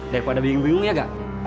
daripada bingung bingung ya nggak